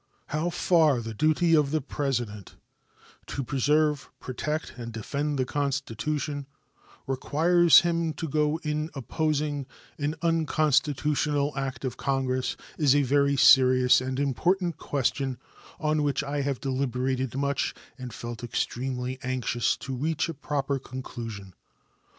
How far the duty of the President "to preserve, protect, and defend the Constitution" requires him to go in opposing an unconstitutional act of Congress is a very serious and important question, on which I have deliberated much and felt extremely anxious to reach a proper conclusion.